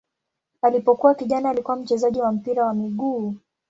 Alipokuwa kijana alikuwa mchezaji wa mpira wa miguu.